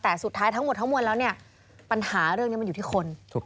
แต่สุดท้ายทั้งหมดทั้งมวลแล้วเนี่ยปัญหาเรื่องนี้มันอยู่ที่คน